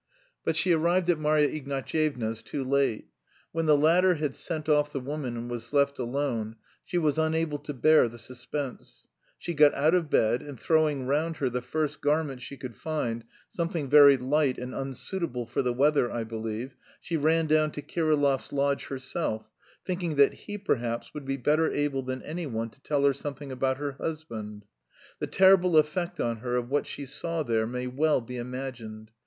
But she arrived at Marya Ignatyevna's too late: when the latter had sent off the woman and was left alone, she was unable to bear the suspense; she got out of bed, and throwing round her the first garment she could find, something very light and unsuitable for the weather, I believe, she ran down to Kirillov's lodge herself, thinking that he perhaps would be better able than anyone to tell her something about her husband. The terrible effect on her of what she saw there may well be imagined.